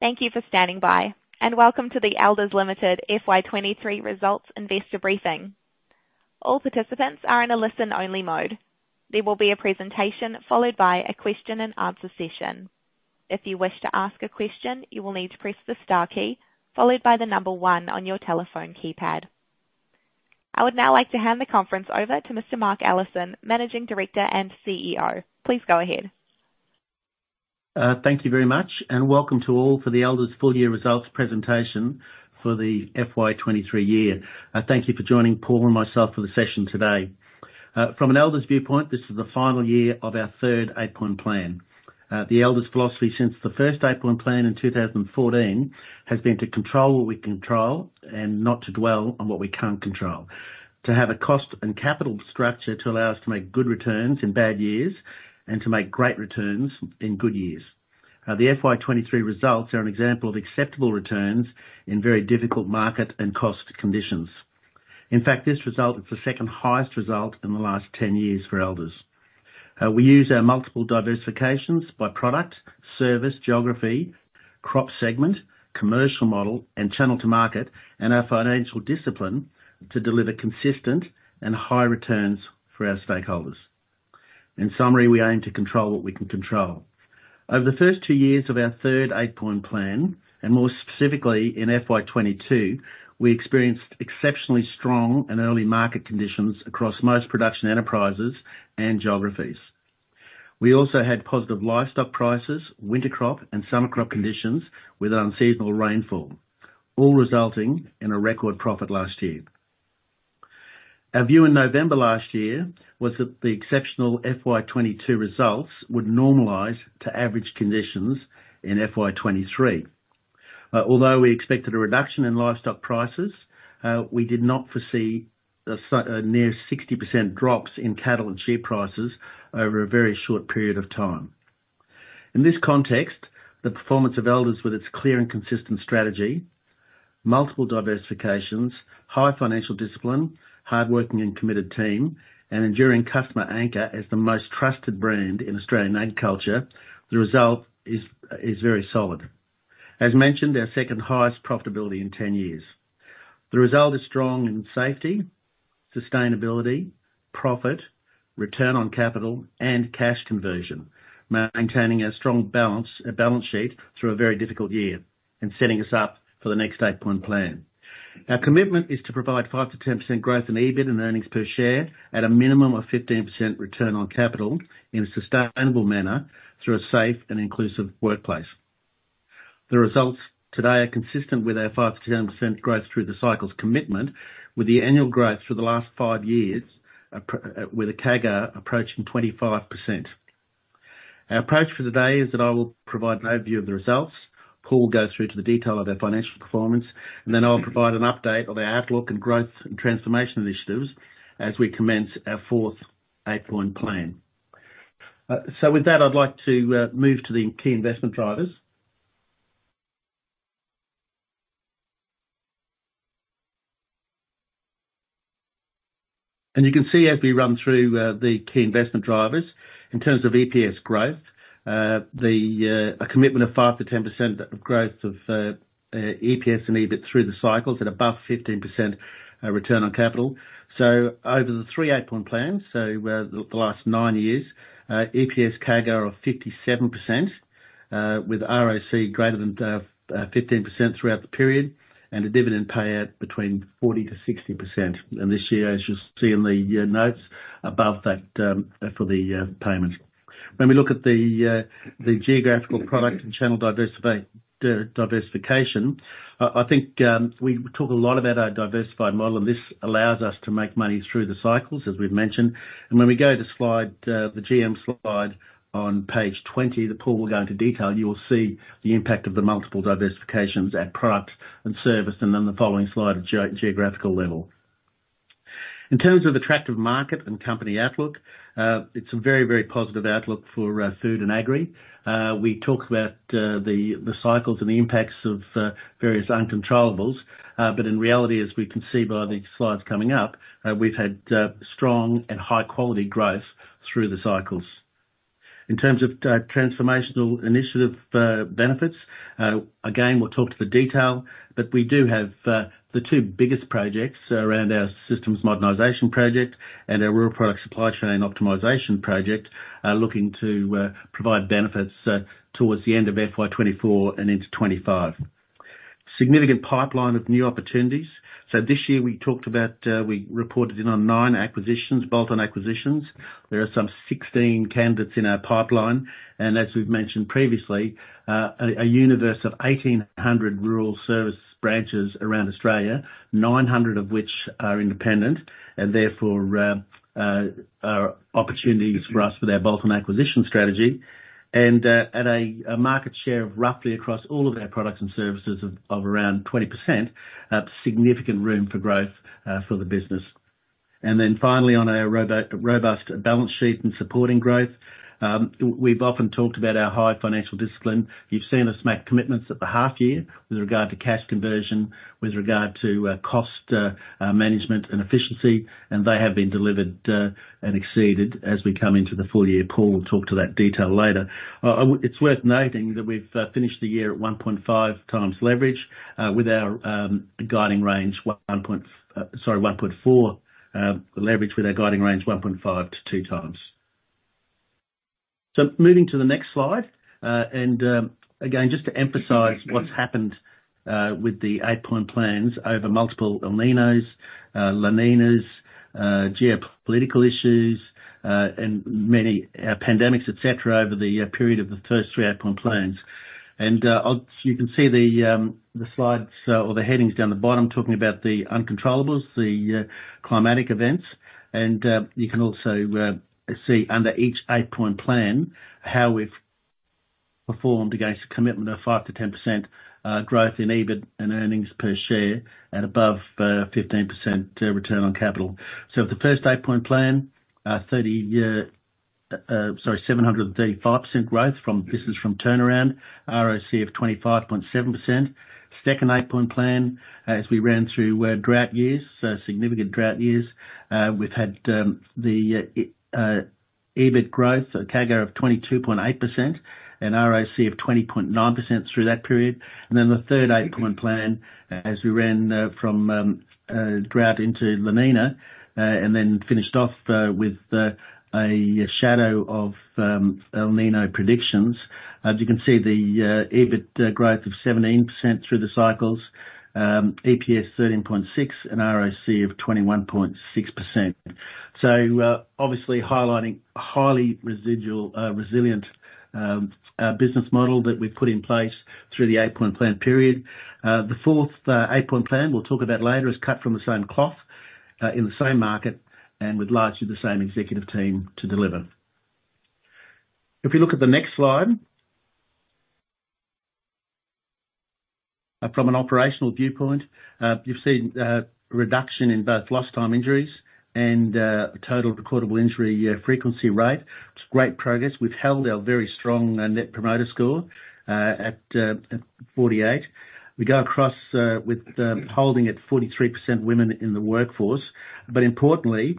Thank you for standing by, and welcome to the Elders Limited FY23 Results Investor Briefing. All participants are in a listen-only mode. There will be a presentation, followed by a question-and-answer session. If you wish to ask a question, you will need to press the star key, followed by the number one on your telephone keypad. I would now like to hand the conference over to Mr. Mark Allison, Managing Director and CEO. Please go ahead. Thank you very much, and welcome to all for the Elders Full Year results presentation for the FY23 year. Thank you for joining Paul and myself for the session today. From an Elders viewpoint, this is the final year of our third Eight Point Plan. The Elders philosophy since the first Eight Point Plan in 2014 has been to control what we control and not to dwell on what we can't control. To have a cost and capital structure to allow us to make good returns in bad years and to make great returns in good years. The FY23 results are an example of acceptable returns in very difficult market and cost conditions. In fact, this result is the second highest result in the last 10 years for Elders. We use our multiple diversifications by product, service, geography, crop segment, commercial model, and channel to market, and our financial discipline to deliver consistent and high returns for our stakeholders. In summary, we aim to control what we can control. Over the first two years of our third Eight Point Plan, and more specifically in FY22, we experienced exceptionally strong and early market conditions across most production enterprises and geographies. We also had positive livestock prices, winter crop and summer crop conditions with unseasonal rainfall, all resulting in a record profit last year. Our view in November last year was that the exceptional FY22 results would normalize to average conditions in FY23. Although we expected a reduction in livestock prices, we did not foresee a near 60% drop in cattle and sheep prices over a very short period of time. In this context, the performance of Elders with its clear and consistent strategy, multiple diversifications, high financial discipline, hardworking and committed team, and enduring customer anchor as the most trusted brand in Australian agriculture, the result is very solid. As mentioned, our second highest profitability in 10 years. The result is strong in safety, sustainability, profit, return on capital, and cash conversion, maintaining a strong balance sheet through a very difficult year and setting us up for the next Eight Point Plan. Our commitment is to provide 5%-10% growth in EBIT and earnings per share at a minimum of 15% return on capital in a sustainable manner through a safe and inclusive workplace. The results today are consistent with our 5%-10% growth through the cycles commitment, with the annual growth for the last 5 years, with a CAGR approaching 25%. Our approach for today is that I will provide an overview of the results, Paul will go through to the detail of our financial performance, and then I'll provide an update on our outlook and growth and transformation initiatives as we commence our fourth Eight Point Plan. So with that, I'd like to move to the key investment drivers. And you can see as we run through, the key investment drivers, in terms of EPS growth, the, a commitment of 5%-10% of growth of, EPS and EBIT through the cycles at above 15%, return on capital. So over the three eight-point plans, the last nine years, EPS CAGR of 57%, with ROC greater than 15% throughout the period, and a dividend payout between 40%-60%. This year, as you'll see in the notes, above that, for the payment. When we look at the geographical product and channel diversification, I think we talk a lot about our diversified model, and this allows us to make money through the cycles, as we've mentioned. When we go to slide, the GM slide on page 20, that Paul will go into detail, you will see the impact of the multiple diversifications, our products and service, and then the following slide at geographical level. In terms of attractive market and company outlook, it's a very, very positive outlook for food and agri. We talked about the cycles and the impacts of various uncontrollables, but in reality, as we can see by the slides coming up, we've had strong and high quality growth through the cycles. In terms of transformational initiative benefits, again, we'll talk to the detail, but we do have the two biggest projects around our systems modernization project and our rural product supply chain optimization project are looking to provide benefits towards the end of FY24 and into 25. Significant pipeline of new opportunities. So this year we talked about, we reported in on nine acquisitions, bolt-on acquisitions. There are some 16 candidates in our pipeline, and as we've mentioned previously, a universe of 1,800 rural service branches around Australia, 900 of which are independent, and therefore, are opportunities for us for our bolt-on acquisition strategy. At a market share of roughly across all of our products and services of around 20%, significant room for growth for the business. Then finally, on our robust balance sheet and supporting growth, we've often talked about our high financial discipline. You've seen us make commitments at the half year with regard to cash conversion, with regard to cost management and efficiency, and they have been delivered and exceeded as we come into the full year. Paul will talk to that detail later. It's worth noting that we've finished the year at 1.5x leverage with our guiding range. Sorry, 1.4 leverage with our guiding range 1.5x to 2x. So moving to the next slide, and again, just to emphasize what's happened with the Eight Point Plans over multiple El Niños, La Niñas, geopolitical issues, and many pandemics, et cetera, over the period of the first three Eight Point Plans. You can see the slides or the headings down the bottom, talking about the uncontrollables, the climatic events. You can also see under each Eight Point Plan, how we've performed against a commitment of 5%-10% growth in EBIT and earnings per share at above 15% return on capital. So the first Eight Point Plan, 30-year, sorry, 735% growth from business from turnaround, ROC of 25.7%. Second Eight Point Plan, as we ran through drought years, so significant drought years, we've had, the EBIT growth, a CAGR of 22.8% and ROC of 20.9% through that period. And then the third Eight Point Plan, as we ran from drought into La Niña and then finished off with a shadow of El Niño predictions. As you can see, the EBIT growth of 17% through the cycles, EPS 13.6, and ROC of 21.6%. So, obviously highlighting a highly resilient business model that we've put in place through the Eight Point Plan period. The fourth Eight Point Plan, we'll talk about later, is cut from the same cloth, in the same market and with largely the same executive team to deliver. If you look at the next slide. From an operational viewpoint, you've seen a reduction in both lost time injuries and total recordable injury frequency rate. It's great progress. We've held our very strong Net Promoter Score at 48. We go across with holding at 43% women in the workforce, but importantly,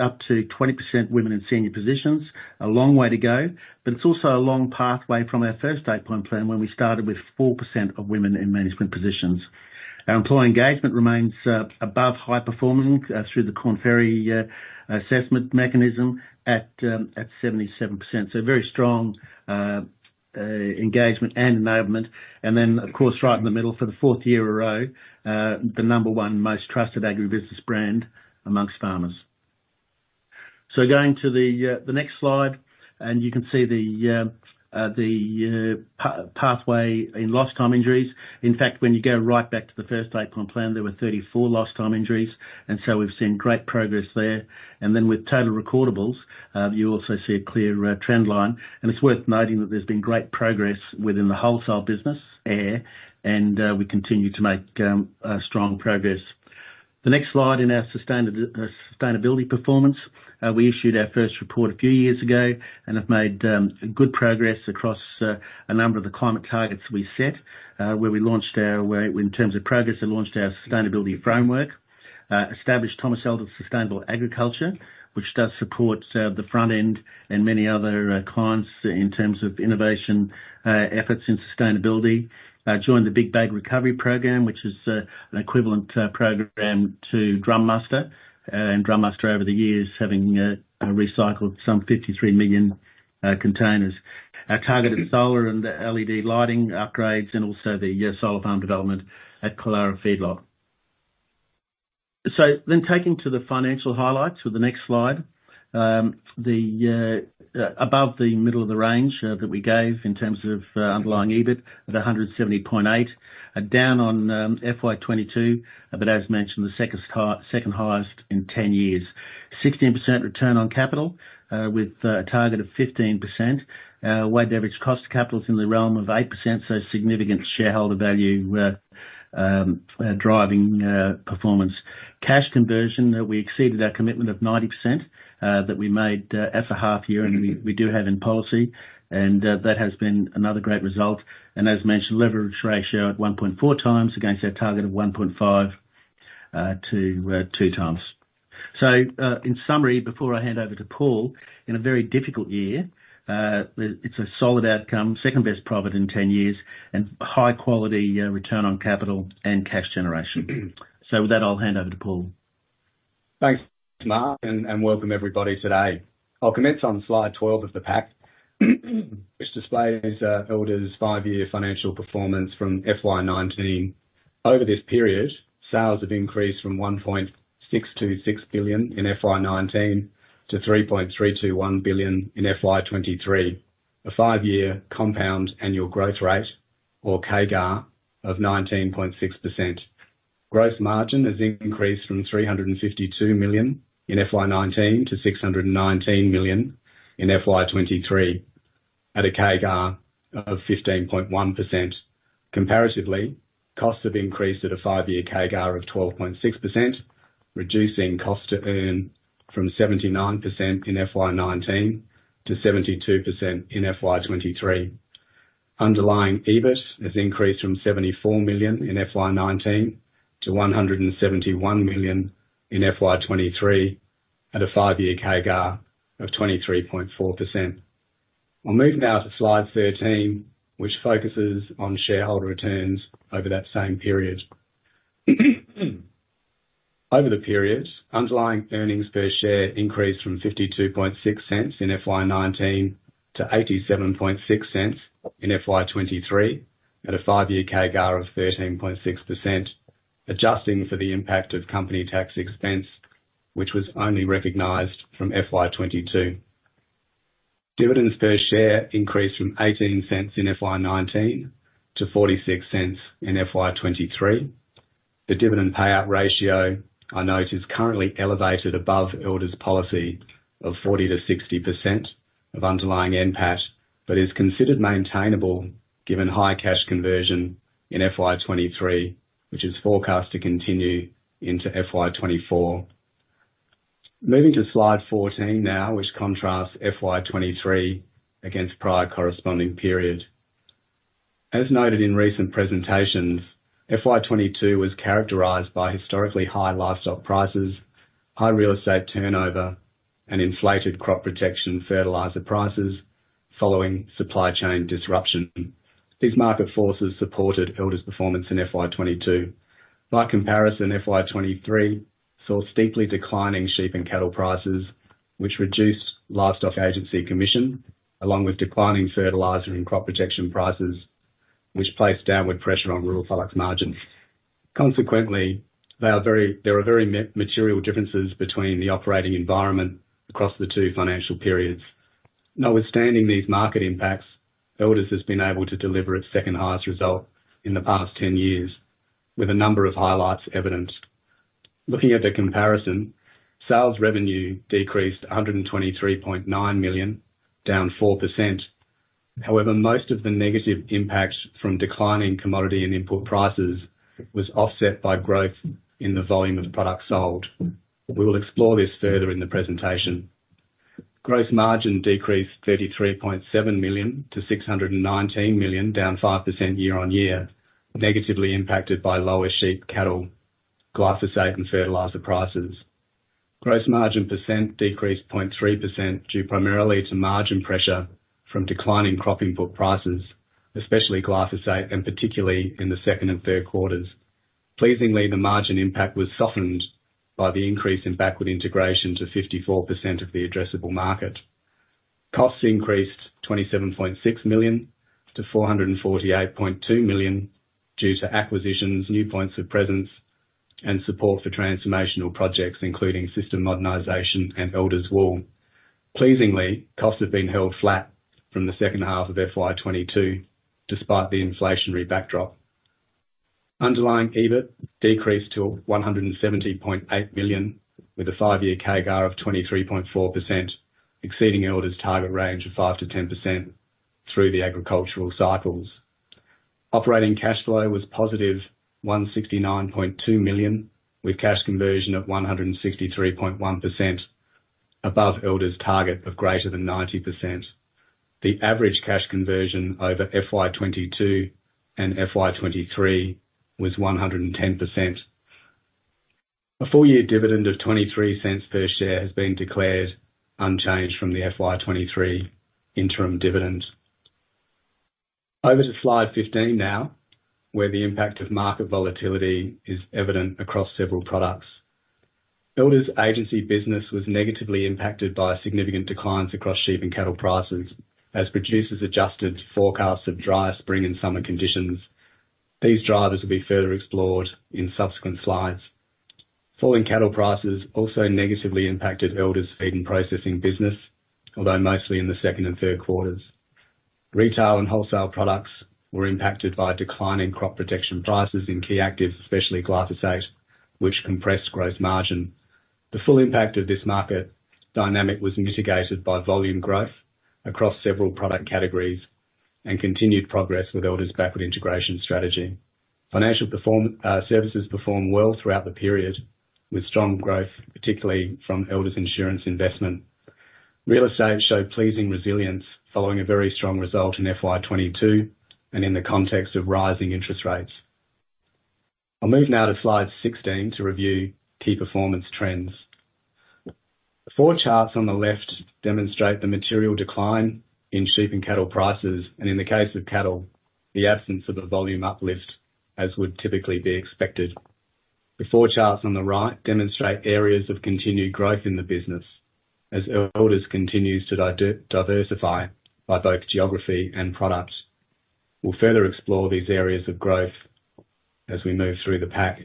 up to 20% women in senior positions. A long way to go, but it's also a long pathway from our first Eight Point Plan, when we started with 4% of women in management positions. Our employee engagement remains above high performing through the Korn Ferry assessment mechanism at 77%. So very strong engagement and enablement. And then, of course, right in the middle, for the fourth year in a row, the number one most trusted agribusiness brand amongst farmers. So going to the next slide, and you can see the pathway in lost time injuries. In fact, when you go right back to the first Eight Point Plan, there were 34 lost time injuries, and so we've seen great progress there. And then with total recordables, you also see a clear trend line. And it's worth noting that there's been great progress within the wholesale business, AIRR, and we continue to make strong progress. The next slide in our sustainability performance. We issued our first report a few years ago and have made good progress across a number of the climate targets we set. Where we launched our... In terms of progress, we launched our sustainability framework, established Thomas Elder Sustainable Agriculture, which does support the front end and many other clients in terms of innovation efforts and sustainability. Joined the Big Bag Recovery Program, which is an equivalent program to drumMUSTER, and drumMUSTER over the years, having recycled some 53 million containers. Our targeted solar and LED lighting upgrades, and also the solar farm development at Killara Feedlot. So then taking to the financial highlights for the next slide. The above the middle of the range that we gave in terms of underlying EBIT of 170.8. Down on FY 2022, but as mentioned, the second highest in 10 years. 16% return on capital with a target of 15%. Weighted average cost of capital is in the realm of 8%, so significant shareholder value driving performance. Cash conversion, that we exceeded our commitment of 90%, that we made, at the half year, and we, we do have in policy, and, that has been another great result. And as mentioned, leverage ratio at 1.4x against our target of 1.5x to 2x. So, in summary, before I hand over to Paul, in a very difficult year, it's a solid outcome, second best profit in 10 years, and high quality return on capital and cash generation. So with that, I'll hand over to Paul. Thanks, Mark, and, and welcome everybody today. I'll commence on slide 12 of the pack, which displays, Elders' five-year financial performance from FY 2019. Over this period, sales have increased from 1.626 billion in FY 2019 to 3.321 billion in FY 2023. A five-year compound annual growth rate or CAGR of 19.6%. Gross margin has increased from 352 million in FY 2019 to 619 million in FY 2023 at a CAGR of 15.1%. Comparatively, costs have increased at a five-year CAGR of 12.6%, reducing Cost to Earn from 79% in FY 2019 to 72% in FY 2023. Underlying EBIT has increased from 74 million in FY 2019 to 171 million in FY 2023, at a five-year CAGR of 23.4%. I'll move now to slide 13, which focuses on shareholder returns over that same period. Over the period, underlying earnings per share increased from 0.526 in FY 2019 to 0.876 in FY 2023, at a five-year CAGR of 13.6%, adjusting for the impact of company tax expense, which was only recognized from FY 2022. Dividends per share increased from 0.18 in FY 2019 to 0.46 in FY 2023. The dividend payout ratio, I note, is currently elevated above Elders policy of 40%-60% of underlying NPAT, but is considered maintainable given high cash conversion in FY 2023, which is forecast to continue into FY 2024. Moving to slide 14 now, which contrasts FY 2023 against prior corresponding period. As noted in recent presentations, FY 2022 was characterized by historically high livestock prices, high real estate turnover, and inflated crop protection fertilizer prices following supply chain disruption. These market forces supported Elders performance in FY 2022. By comparison, FY 2023 saw steeply declining sheep and cattle prices, which reduced livestock agency commission, along with declining fertilizer and crop protection prices, which placed downward pressure on rural products margins. Consequently, there are very material differences between the operating environment across the two financial periods. Notwithstanding these market impacts, Elders has been able to deliver its second-highest result in the past 10 years, with a number of highlights evidenced. Looking at the comparison, sales revenue decreased 123.9 million, down 4%. However, most of the negative impacts from declining commodity and input prices was offset by growth in the volume of products sold. We will explore this further in the presentation. Gross margin decreased 33.7 million to 619 million, down 5% year-on-year, negatively impacted by lower sheep, cattle, glyphosate and fertilizer prices. Gross margin percent decreased 0.3%, due primarily to margin pressure from declining crop input prices, especially glyphosate, and particularly in the second and third quarters. Pleasingly, the margin impact was softened by the increase in backward integration to 54% of the addressable market. Costs increased 27.6 million to 448.2 million due to acquisitions, new points of presence, and support for transformational projects, including Systems Modernisation and Elders Wool. Pleasingly, costs have been held flat from the second half of FY 2022, despite the inflationary backdrop. Underlying EBIT decreased to 170.8 million, with a five-year CAGR of 23.4%, exceeding Elders' target range of 5%-10% through the agricultural cycles. Operating cash flow was positive 169.2 million, with cash conversion of 163.1%, above Elders' target of >90%. The average cash conversion over FY 2022 and FY 2023 was 110%. A full year dividend of 0.23 per share has been declared, unchanged from the FY 2023 interim dividend. Over to slide 15 now, where the impact of market volatility is evident across several products. Elders agency business was negatively impacted by significant declines across sheep and cattle prices, as producers adjusted forecasts of drier spring and summer conditions. These drivers will be further explored in subsequent slides. Falling cattle prices also negatively impacted Elders Feed and Processing business, although mostly in the second and third quarters. Retail and wholesale products were impacted by a decline in crop protection prices in key actives, especially Glyphosate, which compressed gross margin. The full impact of this market dynamic was mitigated by volume growth across several product categories and continued progress with Elders Backward Integration strategy. Financial Services performed well throughout the period, with strong growth, particularly from Elders Insurance investment. Real Estate showed pleasing resilience following a very strong result in FY 2022 and in the context of rising interest rates. I'll move now to slide 16 to review key performance trends. The four charts on the left demonstrate the material decline in sheep and cattle prices, and in the case of cattle, the absence of a volume uplift, as would typically be expected. The four charts on the right demonstrate areas of continued growth in the business as Elders continues to diversify by both geography and products. We'll further explore these areas of growth as we move through the pack.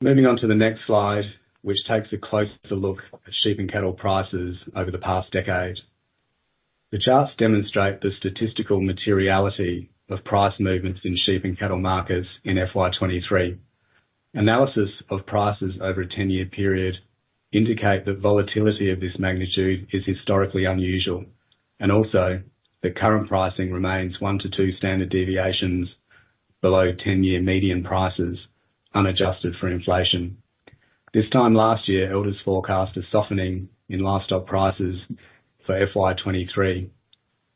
Moving on to the next slide, which takes a closer look at sheep and cattle prices over the past decade. The charts demonstrate the statistical materiality of price movements in sheep and cattle markets in FY 2023 analysis of prices over a 10-year period indicate that volatility of this magnitude is historically unusual, and also, the current pricing remains one to two standard deviations below 10-year median prices, unadjusted for inflation. This time last year, Elders forecast a softening in livestock prices for FY 2023,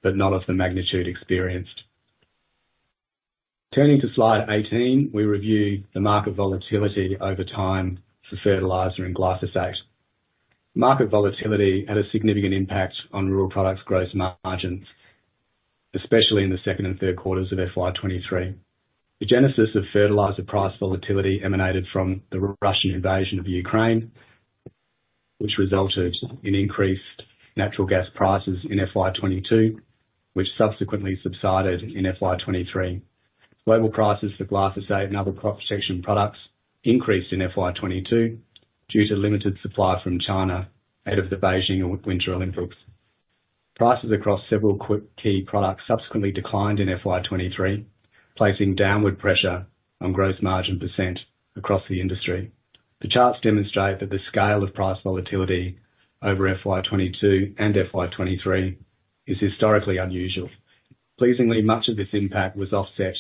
but not of the magnitude experienced. Turning to slide 18, we review the market volatility over time for fertilizer and glyphosate. Market volatility had a significant impact on rural products gross margins, especially in the second and third quarters of FY 2023. The genesis of fertilizer price volatility emanated from the Russian invasion of Ukraine, which resulted in increased natural gas prices in FY 2022, which subsequently subsided in FY 2023. Global prices for glyphosate and other crop protection products increased in FY 2022 due to limited supply from China ahead of the Beijing Winter Olympics. Prices across several key products subsequently declined in FY 2023, placing downward pressure on gross margin percent across the industry. The charts demonstrate that the scale of price volatility over FY 2022 and FY 2023 is historically unusual. Pleasingly, much of this impact was offset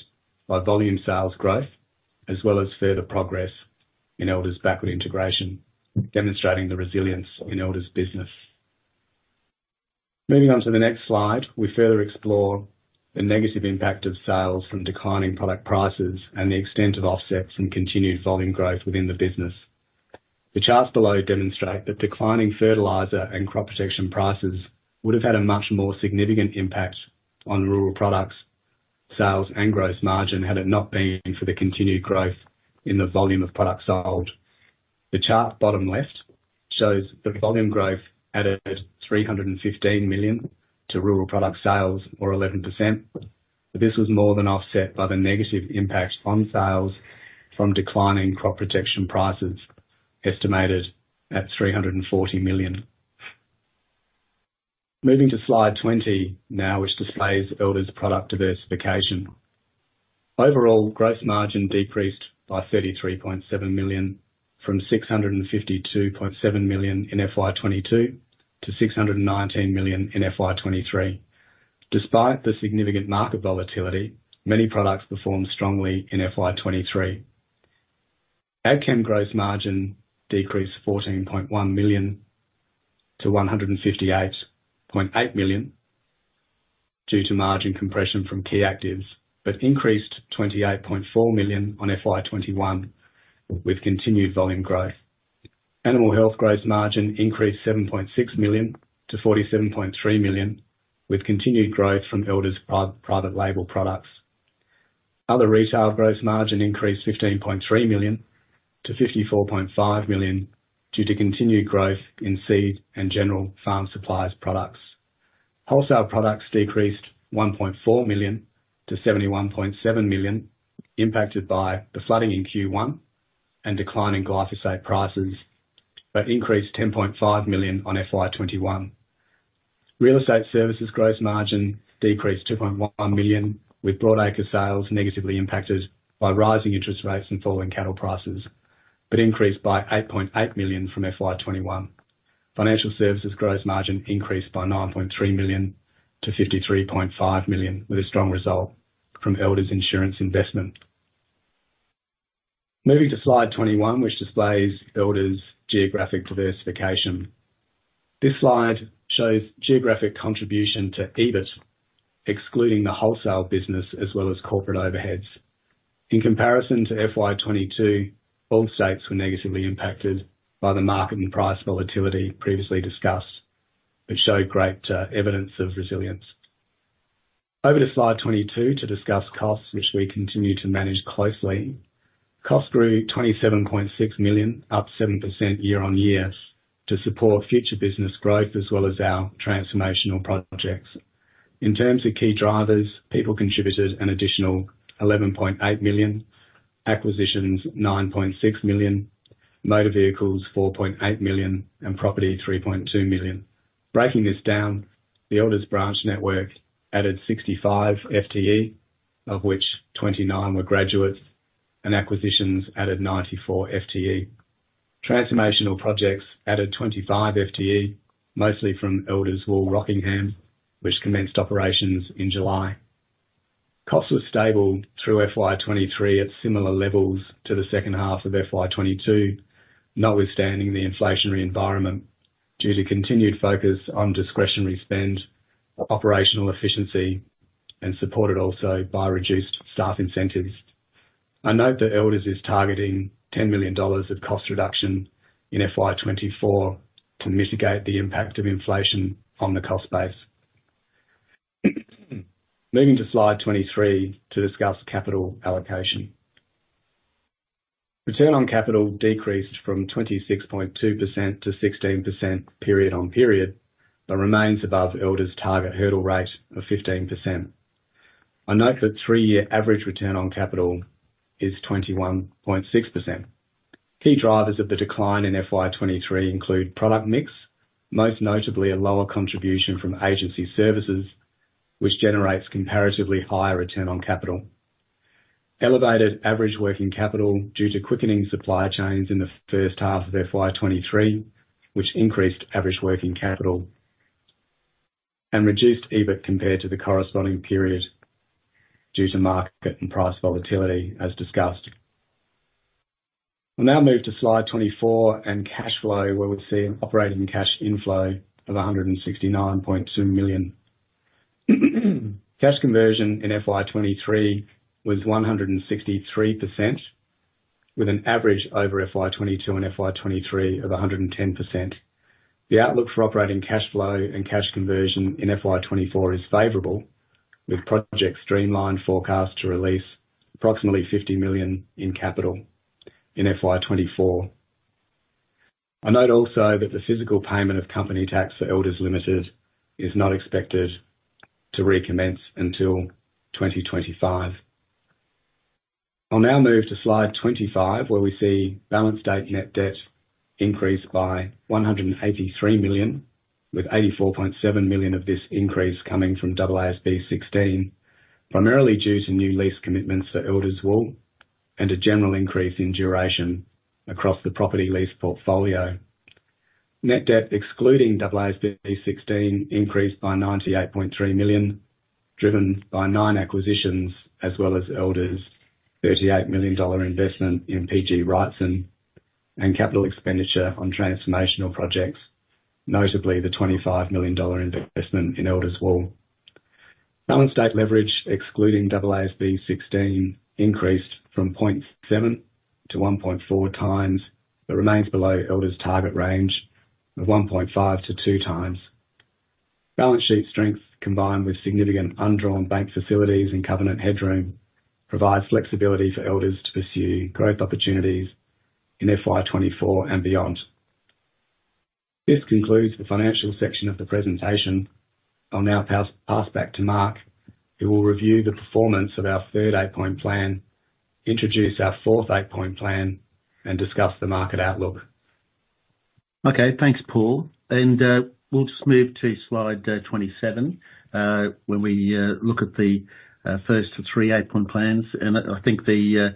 by volume sales growth, as well as further progress in Elders Backward Integration, demonstrating the resilience in Elders' business. Moving on to the next slide, we further explore the negative impact of sales from declining product prices and the extent of offsets and continued volume growth within the business. The charts below demonstrate that declining fertilizer and crop protection prices would have had a much more significant impact on rural products sales and gross margin, had it not been for the continued growth in the volume of products sold. The chart bottom left shows that volume growth added 315 million to rural product sales, or 11%. This was more than offset by the negative impact on sales from declining crop protection prices, estimated at 340 million. Moving to slide 20 now, which displays Elders product diversification. Overall, gross margin decreased by 33.7 million, from 652.7 million in FY 2022 to 619 million in FY 2023. Despite the significant market volatility, many products performed strongly in FY 2023. AgChem gross margin decreased 14.1 million to 158.8 million due to margin compression from key actives, but increased 28.4 million on FY 2021, with continued volume growth. Animal health gross margin increased 7.6 million to 47.3 million, with continued growth from Elders private label products. Other retail gross margin increased 15.3 million to 54.5 million, due to continued growth in seed and general farm supplies products. Wholesale products decreased 1.4 million to 71.7 million, impacted by the flooding in Q1 and declining glyphosate prices, but increased 10.5 million on FY 2021. Real estate services gross margin decreased 2.1 million, with Broadacre sales negatively impacted by rising interest rates and falling cattle prices, but increased by 8.8 million from FY 2021. Financial services gross margin increased by 9.3 million to 53.5 million, with a strong result from Elders Insurance investment. Moving to slide 21, which displays Elders geographic diversification. This slide shows geographic contribution to EBIT, excluding the wholesale business as well as corporate overheads. In comparison to FY 2022, both states were negatively impacted by the market and price volatility previously discussed, but showed great evidence of resilience. Over to slide 22 to discuss costs, which we continue to manage closely. Costs grew 27.6 million, up 7% YoY, to support future business growth as well as our transformational projects. In terms of key drivers, people contributed an additional 11.8 million, acquisitions 9.6 million, motor vehicles 4.8 million, and property 3.2 million. Breaking this down, the Elders branch network added 65 FTE, of which 29 were graduates, and acquisitions added 94 FTE. Transformational projects added 25 FTE, mostly from Elders Wool Rockingham, which commenced operations in July. Costs were stable through FY 2023 at similar levels to the second half of FY 2022, notwithstanding the inflationary environment, due to continued focus on discretionary spend, operational efficiency, and supported also by reduced staff incentives. I note that Elders is targeting 10 million dollars of cost reduction in FY 2024 to mitigate the impact of inflation on the cost base. Moving to slide 23 to discuss capital allocation. Return on capital decreased from 26.2% to 16% period on period, but remains above Elders target hurdle rate of 15%. I note the three-year average return on capital is 21.6% key drivers of the decline in FY 2023 include product mix, most notably a lower contribution from agency services, which generates comparatively higher return on capital. Elevated average working capital due to quickening supply chains in the first half of FY 2023, which increased average working capital and reduced EBIT compared to the corresponding period due to market and price volatility, as discussed. We'll now move to slide 24 and cash flow, where we see operating cash inflow of 169.2 million. Cash conversion in FY 2023 was 163%, with an average over FY 2022 and FY 2023 of 110%. The outlook for operating cash flow and cash conversion in FY 2024 is favorable, with Project Streamline forecast to release approximately 50 million in capital in FY 2024. I note also that the physical payment of company tax for Elders Limited is not expected to recommence until 2025. I'll now move to slide 25, where we see balance date net debt increase by 183 million, with 84.7 million of this increase coming from AASB 16, primarily due to new lease commitments for Elders Wool and a general increase in duration across the property lease portfolio. Net debt, excluding AASB 16, increased by 98.3 million, driven by nine acquisitions, as well as Elders' 38 million dollar investment in PGG Wrightson and capital expenditure on transformational projects, notably the 25 million dollar investment in Elders Wool. Balance date leverage, excluding AASB 16, increased from 0.7x to 1.4x, but remains below Elders' target range of 1.5x to 2x. Balance sheet strength, combined with significant undrawn bank facilities and covenant headroom, provides flexibility for Elders to pursue growth opportunities in FY 2024 and beyond. This concludes the financial section of the presentation. I'll now pass back to Mark, who will review the performance of our third Eight Point Plan, introduce our fourth Eight Point Plan, and discuss the market outlook. Okay, thanks, Paul, and we'll just move to slide 27. When we look at the first three Eight Point Plans, and I think the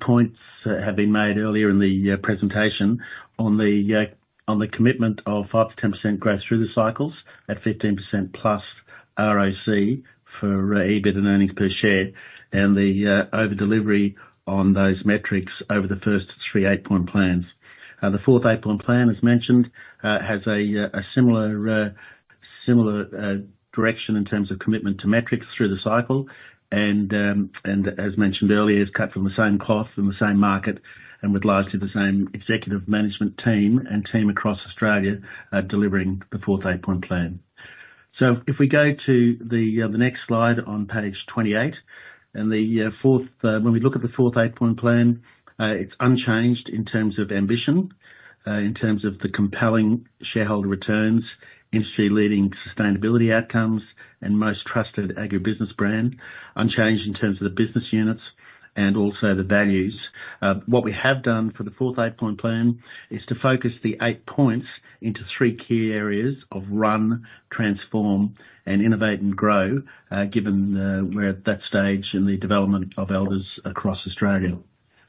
points that have been made earlier in the presentation on the commitment of 5%-10% growth through the cycles at 15%+ ROC for EBIT and earnings per share, and the over delivery on those metrics over the first three Eight Point Plans. The fourth Eight Point Plan, as mentioned, has a similar direction in terms of commitment to metrics through the cycle and, and as mentioned earlier, is cut from the same cloth, in the same market, and with largely the same executive management team and team across Australia, delivering the fourth Eight Point Plan. So if we go to the next slide on page 28 and the fourth, when we look at the fourth Eight Point Plan, it's unchanged in terms of ambition, in terms of the compelling shareholder returns, industry-leading sustainability outcomes, and most trusted agribusiness brand. Unchanged in terms of the business units and also the values. What we have done for the fourth Eight Point Plan is to focus the eight points into three key areas of run, transform, and innovate and grow, given we're at that stage in the development of Elders across Australia.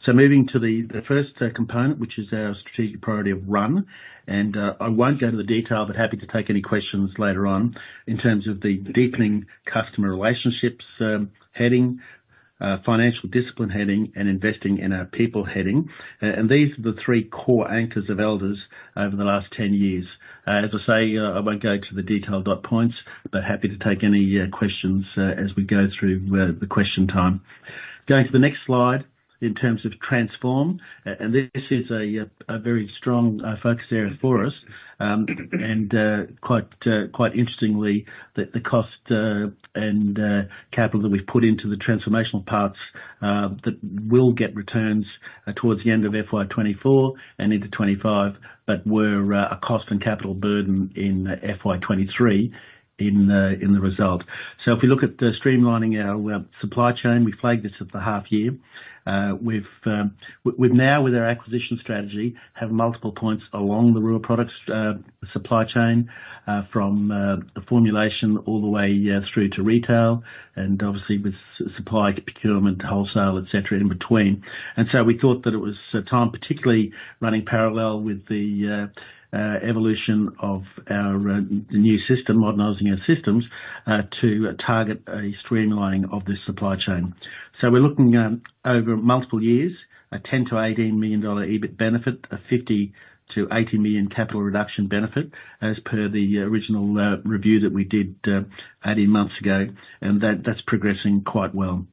So moving to the first component, which is our strategic priority of run, and I won't go into the detail, but happy to take any questions later on in terms of the deepening customer relationships heading, financial discipline heading, and investing in our people heading. And these are the three core anchors of Elders over the last 10 years. As I say, I won't go to the detailed dot points, but happy to take any questions as we go through the question time. Going to the next slide in terms of transform, and this is a very strong focus area for us. Quite interestingly, the cost and capital that we've put into the transformational parts that will get returns towards the end of FY 2024 and into 2025, but were a cost and capital burden in FY 2023 in the result. So if we look at the streamlining our rural supply chain, we flagged this at the half year. We've now, with our acquisition strategy, have multiple points along the rural products supply chain, from the formulation all the way through to retail and obviously with supply, procurement, wholesale, et cetera, in between. And so we thought that it was a time, particularly running parallel with the evolution of our new Systems Modernisation, to target a streamlining of the supply chain. So we're looking over multiple years, a 10million - 18 million dollar EBIT benefit, a 50 million-80 million capital reduction benefit as per the original review that we did 18 months ago. And that's progressing quite well.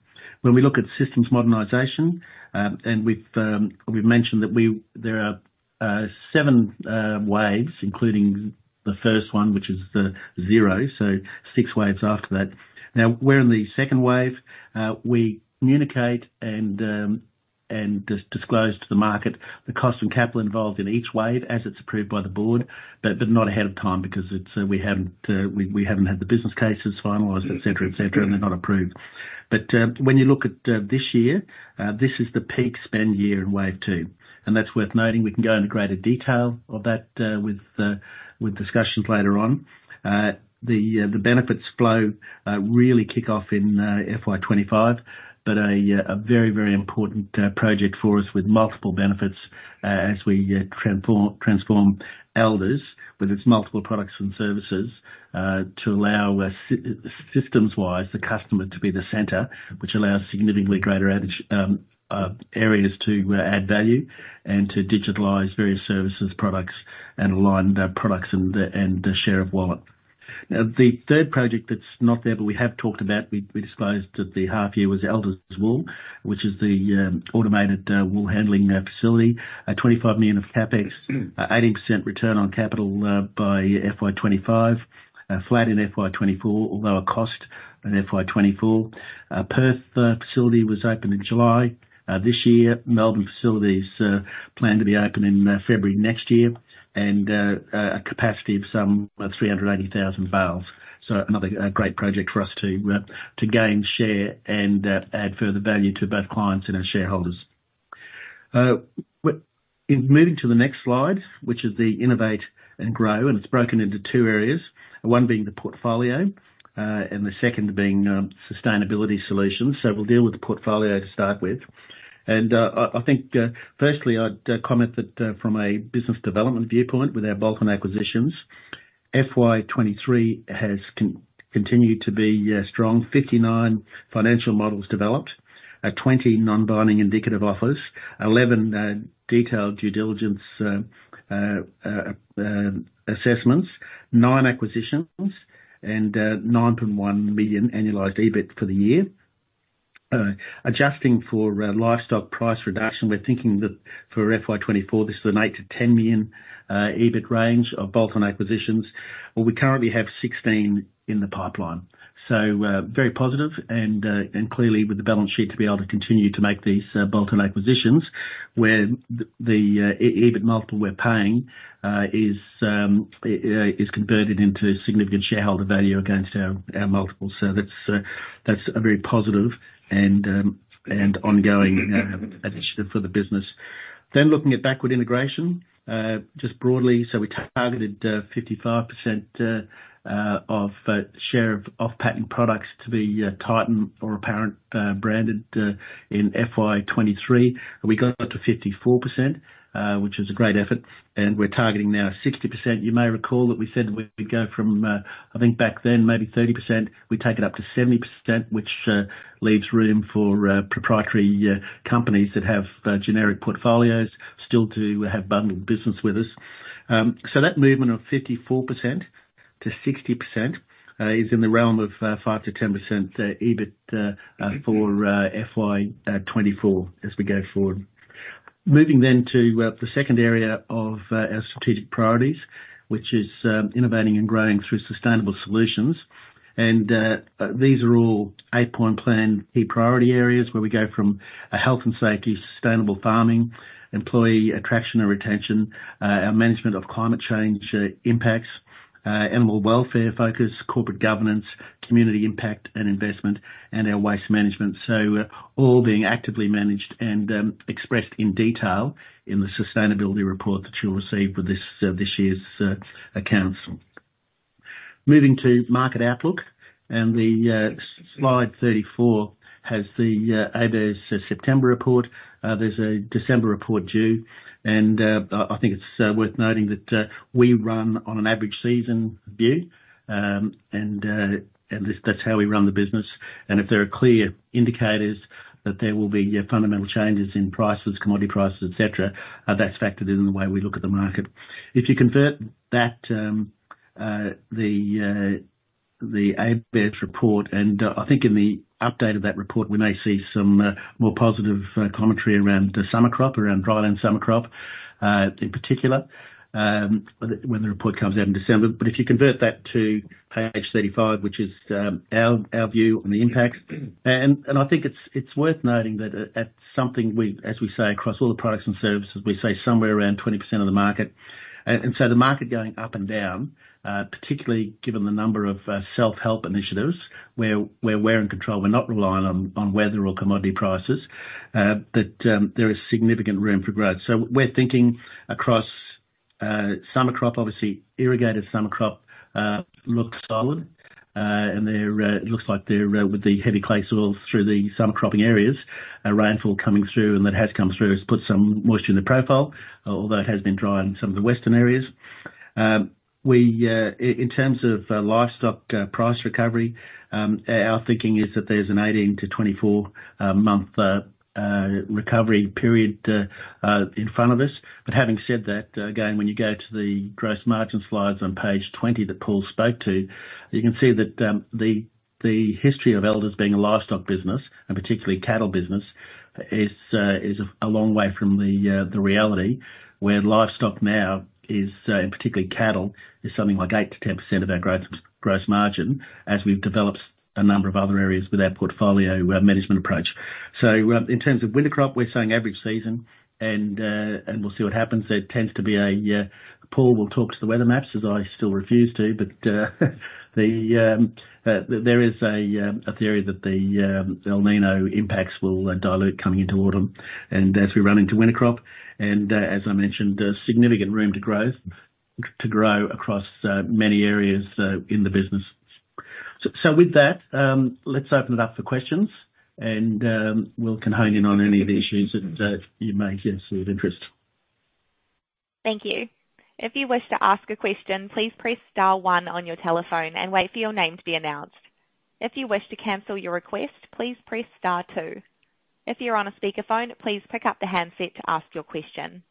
When we look at systems modernization, and we've mentioned that we—there are seven waves, including the first one, which is the zero, so six waves after that. Now, we're in the second wave. We communicate and disclose to the market the cost and capital involved in each wave as it's approved by the board, but not ahead of time because we haven't had the business cases finalized, et cetera, et cetera, and they're not approved. But when you look at this year, this is the peak spend year in wave two, and that's worth noting. We can go into greater detail of that with discussions later on. The benefits flow really kick off in FY 2025, but a very, very important project for us with multiple benefits, as we transform Elders with its multiple products and services to allow systems wise, the customer to be the center, which allows significantly greater average areas to add value and to digitalize various services, products, and align the products and the share of wallet. Now, the third project that's not there, but we have talked about, we, we disclosed at the half year, was Elders Wool, which is the, automated, wool handling, facility. Twenty-five million of CapEx, eighty percent return on capital, by FY 2025. Flat in FY 2024, although a cost in FY 2024. Perth facility was opened in July this year. Melbourne facilities planned to be open in February next year, and a capacity of some 380,000 bales. So another great project for us to gain share and add further value to both clients and our shareholders. In moving to the next slide, which is the innovate and grow, and it's broken into two areas, one being the portfolio, and the second being, sustainability solutions. So we'll deal with the portfolio to start with. I think, firstly, I'd comment that, from a business development viewpoint, with our bolt-on acquisitions, FY 2023 has continued to be strong. 59 financial models developed, 20 non-binding indicative offers, 11 detailed due diligence assessments, nine acquisitions, and 9.1 million annualized EBIT for the year. Adjusting for livestock price reduction, we're thinking that for FY 2024, this is an AUD 8milliom to 10 million EBIT range of bolt-on acquisitions, where we currently have 16 in the pipeline. So, very positive and clearly with the balance sheet to be able to continue to make these bolt-on acquisitions, where the EBIT multiple we're paying is converted into significant shareholder value against our multiples. So that's, that's a very positive and, and ongoing, addition for the business. Then looking at backward integration, just broadly, so we targeted, 55%, of share of off patent products to be, Titan or Apparent, branded, in FY 2023. We got up to 54%, which is a great effort, and we're targeting now 60%. You may recall that we said we'd go from, I think back then, maybe 30%, we take it up to 70%, which, leaves room for, proprietary, companies that have, generic portfolios still to have bundled business with us. So that movement of 54% to 60%, is in the realm of, 5%-10%, EBIT, for, FY 2024 as we go forward. Moving then to the second area of our strategic priorities, which is innovating and growing through sustainable solutions. These are all Eight Point Plan key priority areas, where we go from a health and safety, sustainable farming, employee attraction and retention, our management of climate change impacts, animal welfare focus, corporate governance, community impact and investment, and our waste management. All being actively managed and expressed in detail in the sustainability report that you'll receive with this year's accounts. Moving to market outlook, and the slide 34 has the ABARES' September report. There's a December report due, and I think it's worth noting that we run on an average season view, and that's how we run the business. If there are clear indicators that there will be fundamental changes in prices, commodity prices, et cetera, that's factored in the way we look at the market. If you convert that, the ABARES report, and I think in the update of that report, we may see some more positive commentary around the summer crop, around dryland summer crop, in particular, when the report comes out in December. But if you convert that to page 35, which is our view on the impact, and I think it's worth noting that at something we as we say, across all the products and services, we say somewhere around 20% of the market. So the market going up and down, particularly given the number of self-help initiatives, where we're in control, we're not relying on weather or commodity prices, that there is significant room for growth. So we're thinking across summer crop, obviously, irrigated summer crop looks solid, and there it looks like there with the heavy clay soils through the summer cropping areas, a rainfall coming through, and that has come through. It's put some moisture in the profile, although it has been dry in some of the western areas. In terms of livestock price recovery, our thinking is that there's an 18-24 month recovery period in front of us. But having said that, again, when you go to the gross margin slides on page 20 that Paul spoke to, you can see that the history of Elders being a livestock business, and particularly cattle business, is a long way from the reality, where livestock now is, in particularly cattle, is something like 8%-10% of our gross margin, as we've developed a number of other areas with our portfolio management approach. So, in terms of winter crop, we're saying average season and we'll see what happens. There tends to be. Paul will talk to the weather maps, as I still refuse to, but there is a theory that the El Niño impacts will dilute coming into autumn and, as we run into winter crop, and, as I mentioned, significant room to grow across many areas in the business. So with that, let's open it up for questions, and we'll hone in on any of the issues that you may consider of interest. Thank you. If you wish to ask a question, please press star one on your telephone and wait for your name to be announced. If you wish to cancel your request, please press star two. If you're on a speakerphone, please pick up the handset to ask your question.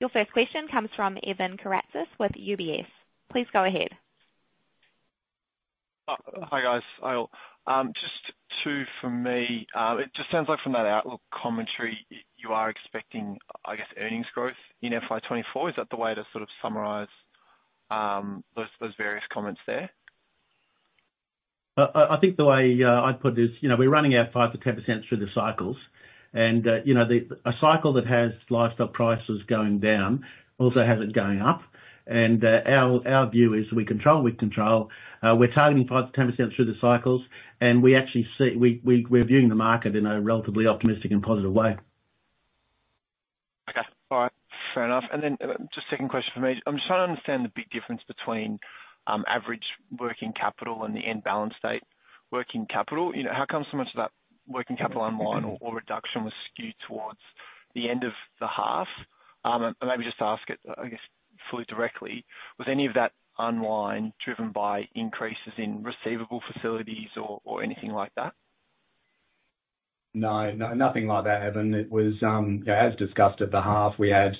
Your first question comes from Evan Karatzas with UBS. Please go ahead. Hi, guys. Just two for me. It just sounds like from that outlook commentary, you are expecting, I guess, earnings growth in FY 2024. Is that the way to sort of summarize those various comments there? I think the way I'd put it is, you know, we're running our 5%-10% through the cycles and, you know, a cycle that has livestock prices going down also has it going up. And our view is we control what we can control. We're targeting 5%-10% through the cycles, and we actually see we're viewing the market in a relatively optimistic and positive way. Okay. All right. Fair enough. And then, just second question for me. I'm trying to understand the big difference between average working capital and the end balance date working capital. You know, how come so much of that working capital unwind or reduction was skewed towards the end of the half? And maybe just ask it, I guess, fully directly: Was any of that unwind driven by increases in receivable facilities or anything like that? No, no, nothing like that, Evan. It was, as discussed at the half, we had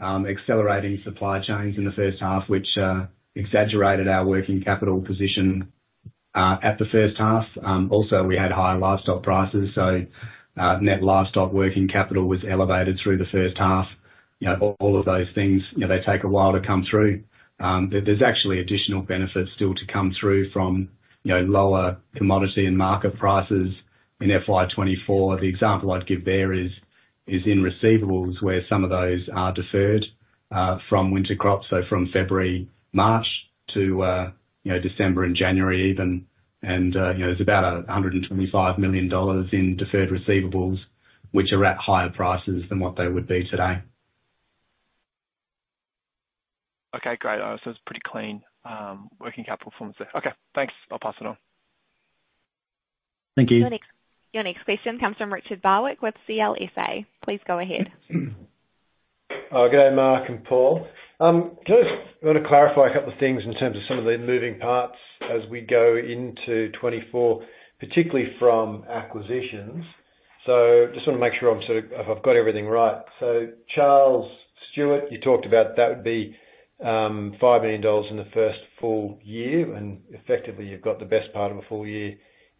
accelerating supply chains in the first half, which exaggerated our working capital position at the first half. Also, we had higher livestock prices, so net livestock working capital was elevated through the first half. You know, all, all of those things, you know, they take a while to come through. There's actually additional benefits still to come through from, you know, lower commodity and market prices in FY 2024. The example I'd give there is in receivables, where some of those are deferred from winter crops, so from February, March to, you know, December and January even. And, you know, there's about 125 million dollars in deferred receivables, which are at higher prices than what they would be today. Okay, great. So it's pretty clean, working capital performance there. Okay, thanks. I'll pass it on. Thank you. Your next question comes from Richard Barwick with CLSA. Please go ahead. Oh, good day, Mark and Paul. Just want to clarify a couple of things in terms of some of the moving parts as we go into 2024, particularly from acquisitions. So just want to make sure I'm sort of, if I've got everything right. So Charles Stewart, you talked about that would be 5 million dollars in the first full year, and effectively you've got the best part of a full year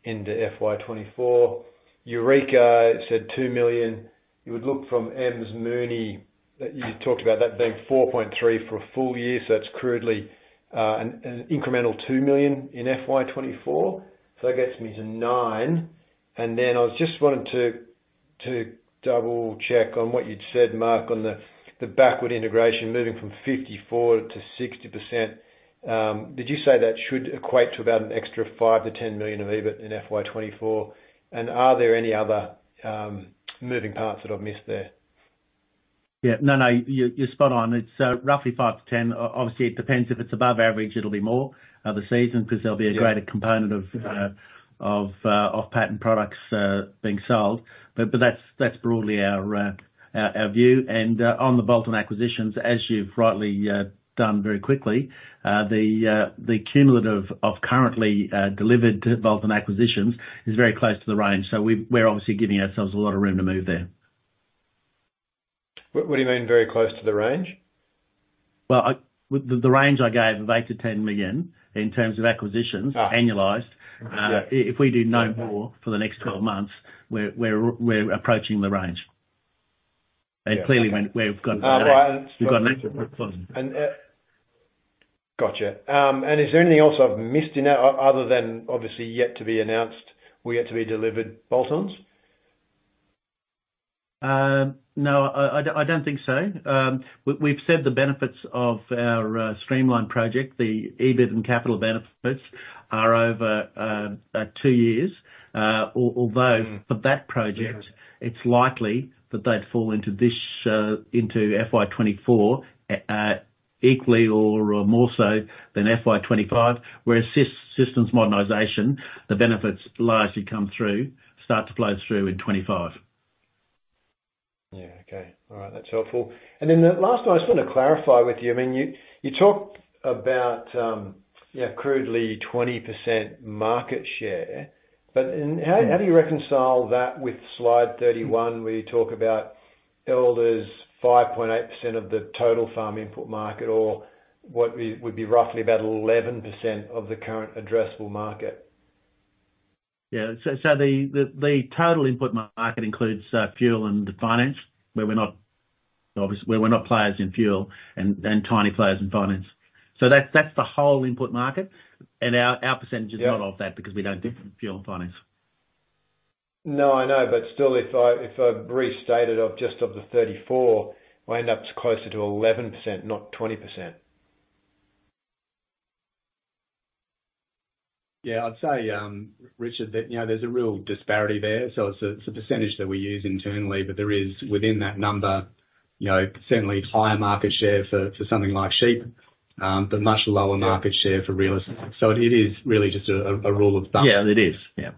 into FY 2024. Eureka said 2 million. You would look from Emms Mooney, that you talked about that being 4.3 for a full year, so that's crudely, an incremental 2 million in FY 2024. So that gets me to 9 million. And then I was just wanting to double-check on what you'd said, Mark, on the backward integration moving from 54%-60%. Did you say that should equate to about an extra 5 million-10 million of EBIT in FY 2024? Are there any other moving parts that I've missed there? Yeah. No, no, you, you're spot on. It's roughly 5 million-10 million. Obviously, it depends if it's above average, it'll be more of the season- Yeah. Because there'll be a greater component of off-patent products being sold. But that's broadly our view. And on the bolt-on acquisitions, as you've rightly done very quickly, the cumulative of currently delivered bolt-on acquisitions is very close to the range. So we're obviously giving ourselves a lot of room to move there. What do you mean very close to the range? Well, with the range I gave of 8 million to 10 million in terms of acquisitions- Ah. - annualized. Yeah. If we do no more for the next twelve months, we're approaching the range. Yeah. Clearly, we've gone- Uh, right. We've gone later. Gotcha. And is there anything else I've missed in that, other than obviously yet to be announced, we yet to be delivered bolt-ons? No, I don't think so. We've said the benefits of our Streamline project, the EBIT and capital benefits are over two years. Although- Mm. For that project Yeah It's likely that they'd fall into this, into FY 2024, equally or more so than FY 2025, where Systems Modernization, the benefits largely come through, start to flow through in 2025. Yeah. Okay. All right, that's helpful. And then the last one I just want to clarify with you, I mean, you talked about, you know, crudely 20% market share, but and- Mm. How do you reconcile that with slide 31, where you talk about Elders 5.8% of the total farm input market, or what would be roughly about 11% of the current addressable market? Yeah. So, the total input market includes fuel and the finance, where we're not obviously players in fuel and tiny players in finance. So that's the whole input market, and our percentage- Yeah Is not of that because we don't do fuel and finance. No, I know, but still, if I restated of just of the 34, I end up closer to 11%, not 20%. Yeah, I'd say, Richard, that, you know, there's a real disparity there, so it's a percentage that we use internally, but there is, within that number, you know, certainly higher market share for something like sheep, but much lower market share for real estate. So it is really just a rule of thumb. Yeah, it is. Yeah.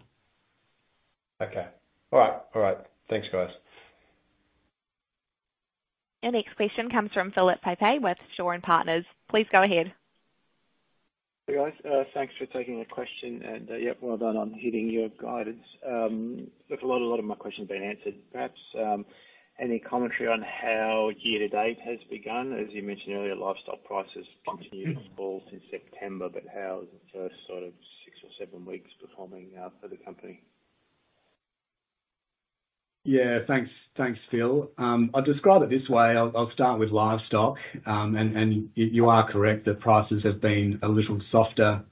Okay. All right, all right. Thanks, guys. Our next question comes from Philip Pepe with Shaw and Partners. Please go ahead. Hey, guys, thanks for taking the question, and, yeah, well done on hitting your guidance. Look, a lot, a lot of my questions have been answered. Perhaps, any commentary on how year-to-date has begun? As you mentioned earlier, livestock prices continued to fall since September, but how is the first sort of six or seven weeks performing, for the company? Yeah. Thanks. Thanks, Philip. I'd describe it this way. I'll start with livestock. And you are correct that prices have been a little softer.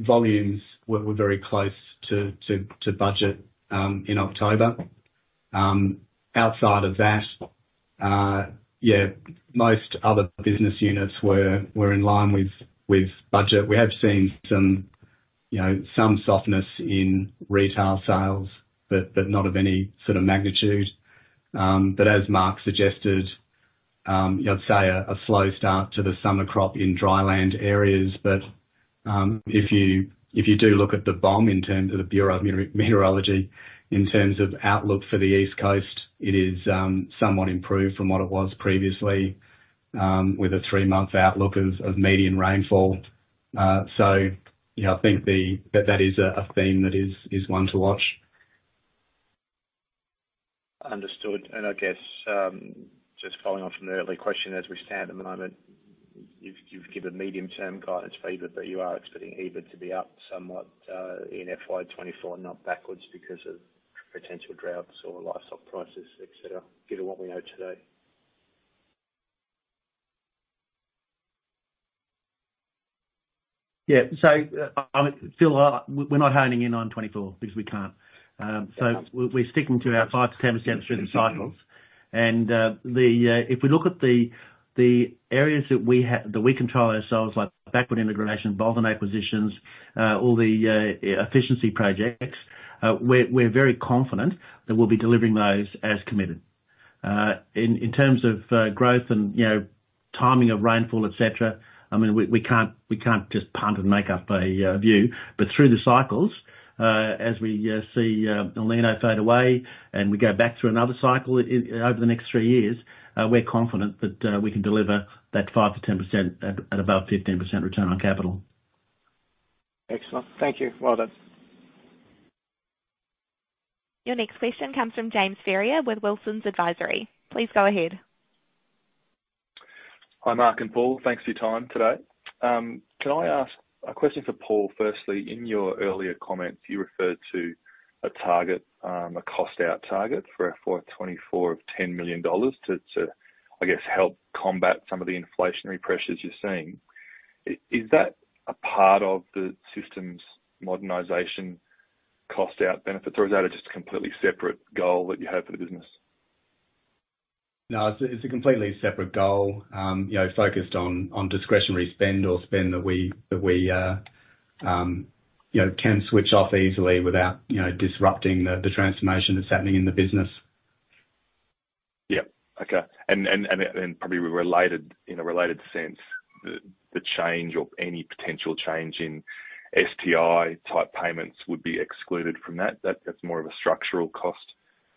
Volumes were very close to budget in October. Outside of that, yeah, most other business units were in line with budget. We have seen some, you know, some softness in retail sales, but not of any sort of magnitude. But as Mark suggested, I'd say a slow start to the summer crop in dry land areas. If you do look at the BOM, in terms of the Bureau of Meteorology, in terms of outlook for the East Coast, it is somewhat improved from what it was previously, with a three-month outlook of median rainfall. So, you know, I think that that is a theme that is one to watch. Understood. And I guess, just following on from the earlier question, as we stand at the moment, you've, you've given medium-term guidance, favor, but you are expecting EBIT to be up somewhat, in FY 2024, not backwards because of potential droughts or livestock prices, et cetera, given what we know today. Yeah. So, I'm Paul, we're not honing in on 2024 because we can't. So we're sticking to our 5%-10% through the cycles. And if we look at the areas that we control ourselves, like backward integration, bolt-on acquisitions, all the efficiency projects, we're very confident that we'll be delivering those as committed. In terms of growth and, you know, timing of rainfall, et cetera, I mean, we can't just punt and make up a view. But through the cycles, as we see El Niño fade away, and we go back through another cycle over the next three years, we're confident that we can deliver that 5%-10% at above 15% return on capital. Excellent. Thank you. Well done. Your next question comes from James Ferrier with Wilsons Advisory. Please go ahead. Hi, Mark and Paul. Thanks for your time today. Can I ask a question for Paul? Firstly, in your earlier comments, you referred to a target, a cost out target for FY 2024 of 10 million dollars to... I guess, help combat some of the inflationary pressures you're seeing. Is that a part of the Systems Modernization cost out benefit, or is that just a completely separate goal that you have for the business? No, it's a completely separate goal, you know, focused on discretionary spend or spend that we, you know, can switch off easily without, you know, disrupting the transformation that's happening in the business. Yep. Okay. And then, probably related, in a related sense, the change or any potential change in STI-type payments would be excluded from that? That's more of a structural cost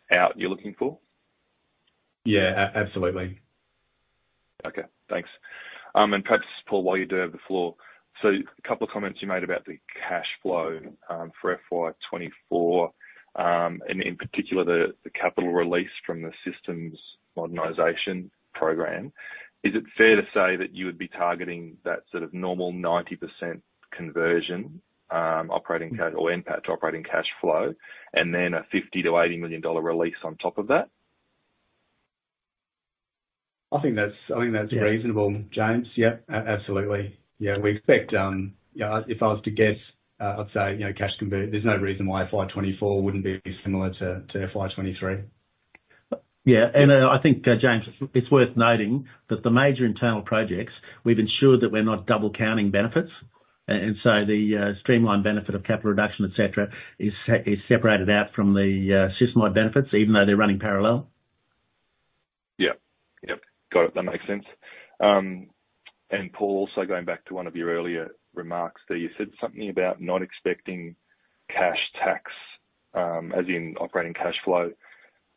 out you're looking for? Yeah, a-absolutely. Okay, thanks. And perhaps, Paul, while you do have the floor, so a couple of comments you made about the cash flow, for FY 2024, and in particular, the capital release from the systems modernization program. Is it fair to say that you would be targeting that sort of normal 90% conversion, operating cash or NPAT to operating cash flow, and then a 50 million-80 million dollar release on top of that? I think that's, I think that's reasonable, James. Yeah, absolutely. Yeah, we expect. Yeah, if I was to guess, I'd say, you know, cash conversion, there's no reason why FY 2024 wouldn't be similar to, to FY 2023. Yeah, and I think, James, it's worth noting that the major internal projects, we've ensured that we're not double-counting benefits. And so the Streamline benefit of capital reduction, et cetera, is separated out from the SysMod benefits, even though they're running parallel. Yeah. Yep, got it. That makes sense. And Paul, also going back to one of your earlier remarks there, you said something about not expecting cash tax, as in operating cash flow,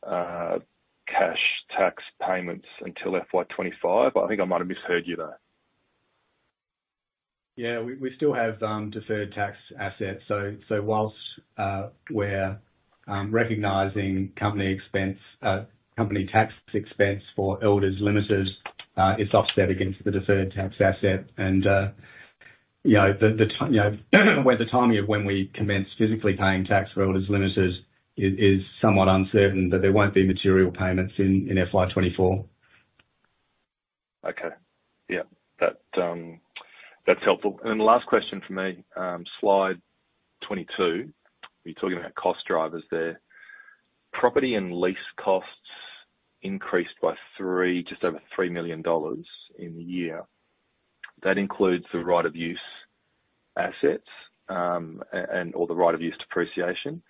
cash tax payments until FY 2025. I think I might have misheard you, though. Yeah, we still have deferred tax assets. So, whilst we're recognizing company expense, company tax expense for Elders Limited, it's offset against the deferred tax asset. And, you know, the timing of when we commence physically paying tax for Elders Limited is somewhat uncertain, but there won't be material payments in FY 2024. Okay. Yeah, that, that's helpful. And then the last question from me, slide 22, you're talking about cost drivers there. Property and lease costs increased by just over 3 million dollars in the year. That includes the right-of-use assets, and, or the right-of-use depreciation,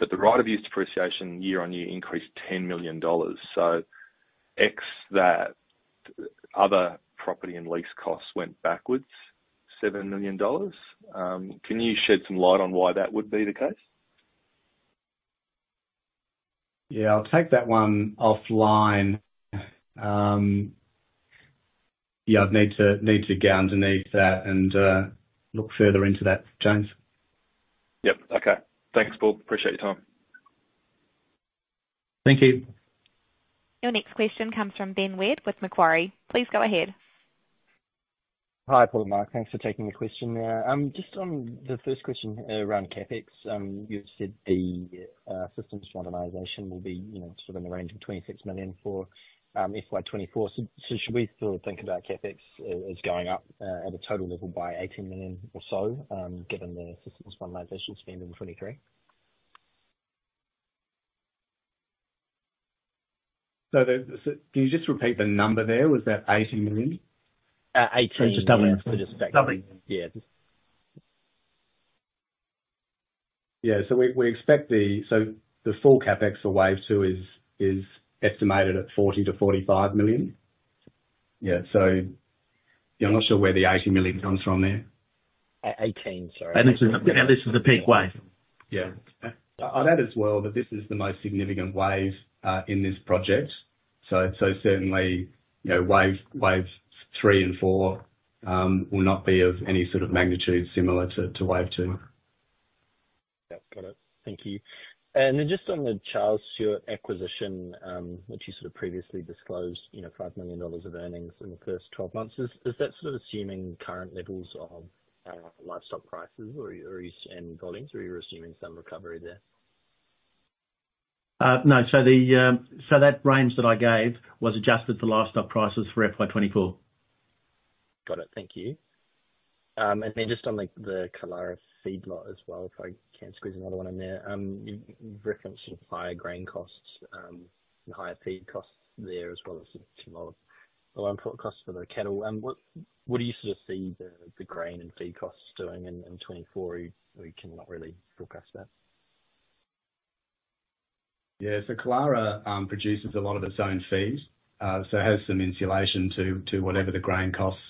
but the right-of-use depreciation YoY increased AUD 10 million. So ex that other property and lease costs went backward 7 million dollars. Can you shed some light on why that would be the case? Yeah, I'll take that one offline. Yeah, I'd need to go underneath that and look further into that, James. Yep. Okay. Thanks, Paul. Appreciate your time. Thank you. Your next question comes from Ben Wedd with Macquarie. Please go ahead. Hi, Paul and Mark. Thanks for taking the question. Just on the first question around CapEx, you've said the Systems Modernisation will be, you know, sort of in the range of 26 million for FY 2024. So, should we still think about CapEx as going up at a total level by 18 million or so, given the Systems Modernisation spend in 2023? Can you just repeat the number there? Was that 18 million? Uh, 18 million. So just double. Yeah. Yeah. We expect the full CapEx for wave two is estimated at 40 million-45 million. Yeah. Yeah, I'm not sure where the 18 million comes from there. 18 million, sorry. This is a peak wave. Yeah. I'd add as well, that this is the most significant wave in this project. So, certainly, you know, waves three and four will not be of any sort of magnitude similar to wave two. Yep, got it. Thank you. And then just on the Charles Stewart acquisition, which you sort of previously disclosed, you know, 5 million dollars of earnings in the first 12 months. Is that sort of assuming current levels of livestock prices or and volumes, or you're assuming some recovery there? No. So that range that I gave was adjusted for livestock prices for FY 2024. Got it. Thank you. Then just on the Killara feedlot as well, if I can squeeze another one in there. You've referenced higher grain costs, and higher feed costs there, as well as a lot of loan costs for the cattle. What do you sort of see the grain and feed costs doing in 2024? Or we cannot really forecast that. Yeah. So Killara produces a lot of its own feed, so it has some insulation to whatever the grain costs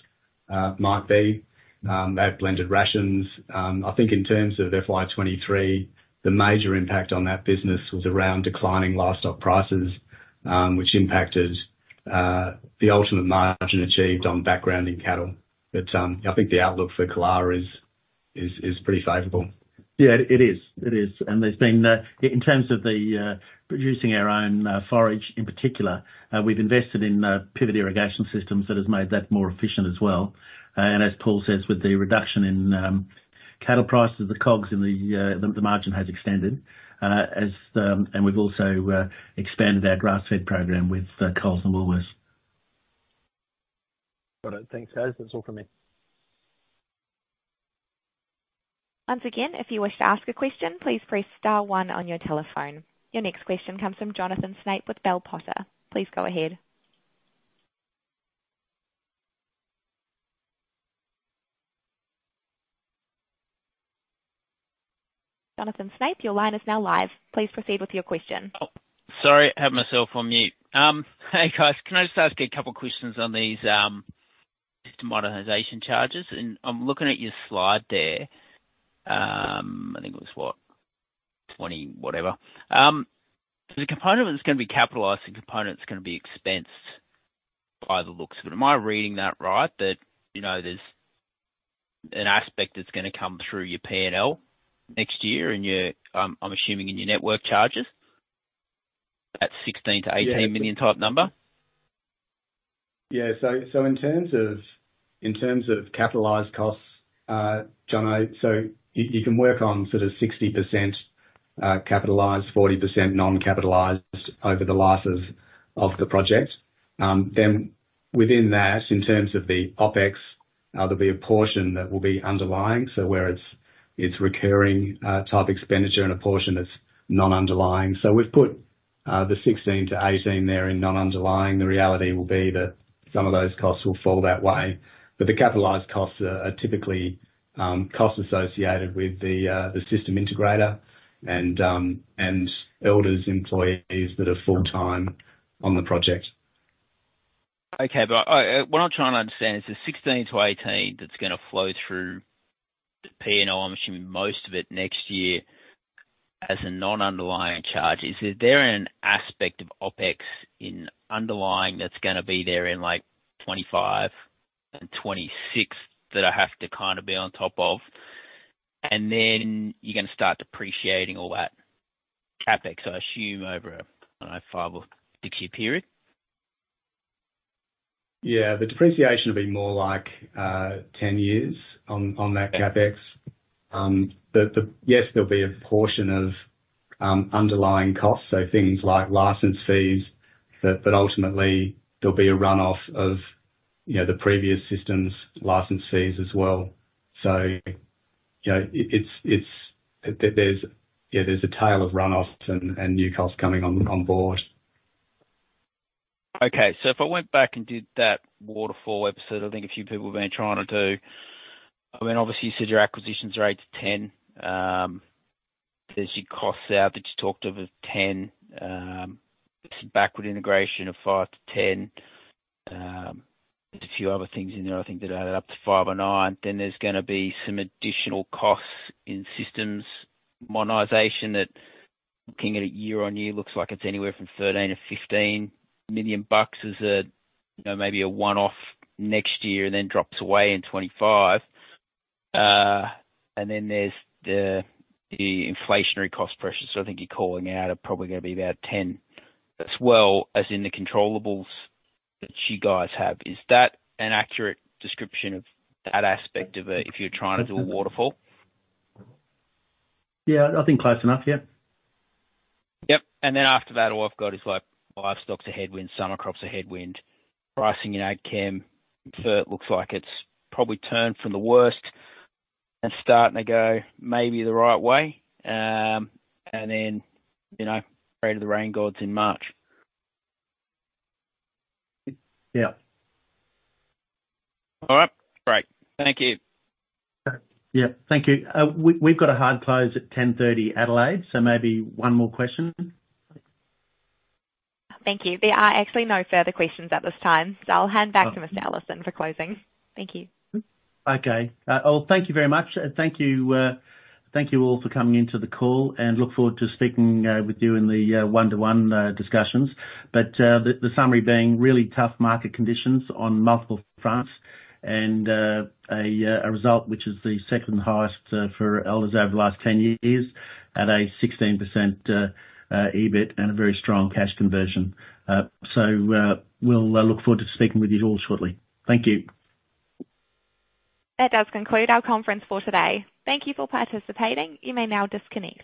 might be. They have blended rations. I think in terms of FY 2023, the major impact on that business was around declining livestock prices, which impacted the ultimate margin achieved on backgrounding cattle. But I think the outlook for Killara is pretty favorable. Yeah, it is. It is. And there's been, in terms of the producing our own forage in particular, we've invested in pivot irrigation systems that has made that more efficient as well. And as Paul says, with the reduction in cattle prices, the COGS in the margin has extended, as... And we've also expanded our grass-fed program with Coles and Woolworths. Got it. Thanks, guys. That's all from me. Once again, if you wish to ask a question, please press star one on your telephone. Your next question comes from Jonathan Snape with Bell Potter. Please go ahead. Jonathan Snape, your line is now live. Please proceed with your question. Oh, sorry, I had myself on mute. Hey, guys, can I just ask a couple questions on these system modernization charges? And I'm looking at your slide there. I think it was what? 20 whatever. So the component that's gonna be capitalized and component is gonna be expensed by the looks of it. Am I reading that right, that, you know, there's an aspect that's gonna come through your P&L next year and your, I'm assuming in your network charges, that 16 million-18 million type number? Yeah. So in terms of capitalized costs, John, so you can work on sort of 60% capitalized, 40% non-capitalized over the life of the project. Then within that, in terms of the OpEx, there'll be a portion that will be underlying, so where it's recurring type expenditure and a portion that's non-underlying. So we've put the 16-18 there in non-underlying. The reality will be that some of those costs will fall that way, but the capitalized costs are typically costs associated with the system integrator and Elders employees that are full-time on the project. Okay, but I, what I'm trying to understand is the 16million-18 million that's gonna flow through the P&L, I'm assuming most of it next year, as a non-underlying charge. Is there an aspect of OpEx in underlying that's gonna be there in, like, 2025 and 2026, that I have to kinda be on top of? And then you're gonna start depreciating all that CapEx, so I assume over a five- or six-year period. Yeah, the depreciation will be more like 10 years on that CapEx. Yes, there'll be a portion of underlying costs, so things like license fees, but ultimately there'll be a runoff of, you know, the previous systems' license fees as well. So-... You know, it's there. There's, yeah, there's a tail of runoffs and new costs coming on board. Okay. So if I went back and did that waterfall episode, I think a few people have been trying to do. I mean, obviously, you said your acquisitions are 8 million-10 million. There's your costs out that you talked of are 10 million. Some Backward Integration of 5 million-10 million. There's a few other things in there, I think that add up to five or nine. Then there's gonna be some additional costs in Systems Modernisation that, looking at it year-on-year, looks like it's anywhere from 13 million-15 million bucks. As a, you know, maybe a one-off next year, and then drops away in 2025. And then there's the, the inflationary cost pressures, so I think you're calling out are probably gonna be about 10 million as well as in the controllables that you guys have. Is that an accurate description of that aspect of it, if you're trying to do a waterfall? Yeah, I think close enough. Yep. Yep. And then after that, all I've got is, like, livestock's a headwind, summer crop's a headwind, pricing in AgChem. So it looks like it's probably turned from the worst and starting to go maybe the right way. And then, you know, pray to the rain gods in March. Yeah. All right. Great. Thank you. Yeah. Thank you. We've got a hard close at 10:30 Adelaide, so maybe one more question. Thank you. There are actually no further questions at this time, so I'll hand back to Mr. Allison for closing. Thank you. Okay. Oh, thank you very much. Thank you, thank you all for coming into the call, and look forward to speaking with you in the one-to-one discussions. But, the summary being really tough market conditions on multiple fronts and a result which is the second highest for Elders over the last 10 years, at a 16% EBIT and a very strong cash conversion. So, we'll look forward to speaking with you all shortly. Thank you. That does conclude our conference for today. Thank you for participating. You may now disconnect.